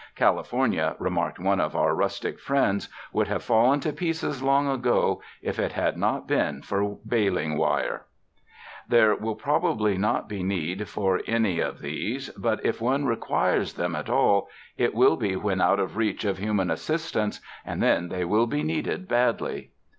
''California," remarked one of our rustic friends, ''would have fallen to pieces long ago, if it had not been for baling wire." There will probably not be need for any of these, but if one requires them 135 UNDER THE SKY IN CALIFORNIA at all, it will be when out of reach of human assist ance, and then they will be needed badly.